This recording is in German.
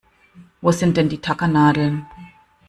Wo sind denn die Tackernadeln?